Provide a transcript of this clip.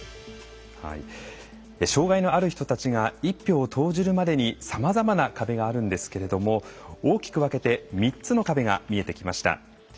障害のある人たちが１票を投じるまでにさまざまな壁があるんですけども大きく分けて、３つの壁が見えてきました。